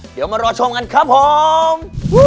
เดี๋ยวมารอชมกันครับผม